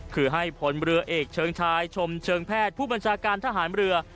คือให้ผลเรือเอกเชิงชายชมเชิงแพทย์ผู้บัญชาการทหารเรือ